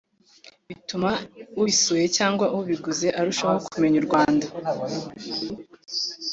bituma ubisuye cyangwa ubiguze arushaho kumenya u Rwanda